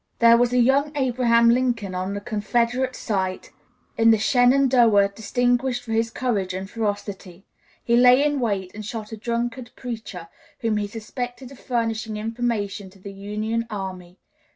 There was a young Abraham Lincoln on the Confederate side in the Shenandoah distinguished for his courage and ferocity. He lay in wait and shot a Drunkard preacher, whom he suspected of furnishing information to the Union army.